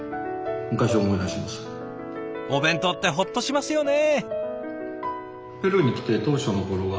お弁当ってホッとしますよね。